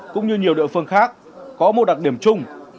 cũng như nhiều địa phương khác có một đặc điểm chung